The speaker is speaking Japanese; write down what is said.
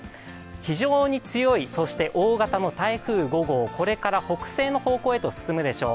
非常に強い、そして大型の台風５号、これから北西の方向へと進むでしょう。